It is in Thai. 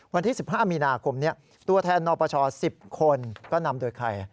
วันที่๑๕มีนาคมนี้ตัวแทนนปช๑๐คนก็นำโดยใคร